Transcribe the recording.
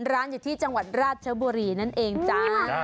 ร้านอยู่ที่จังหวัดราชบุรีนั่นเองจ้า